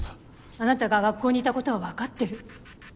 あなたが学校にいたことは分かってる。